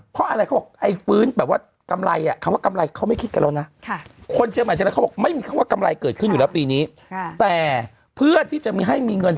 บริเวณตอนแรกยอดจองโรงแรม๑๐๐เต็มหมด